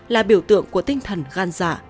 là biểu tượng của tinh thần gan dạ